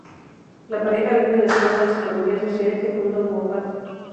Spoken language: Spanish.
La pareja vive en la Escuela de Psicología Social que fundó Moffatt.